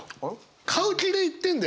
買う気で行ってんだよ。